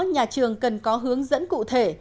nhà trường cần có hướng dẫn cụ thể